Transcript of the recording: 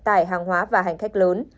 tại hàng hóa và hành khách lớn